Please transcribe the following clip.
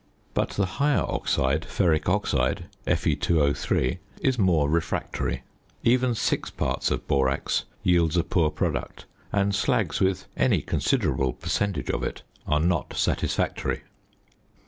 But the higher oxide (ferric oxide, Fe_O_) is more refractory; even 6 parts of borax yields a poor product, and slags with any considerable percentage of it are not satisfactory.